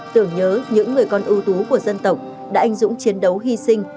tưởng nhớ những người con ưu tú của dân tộc đã anh dũng chiến đấu hy sinh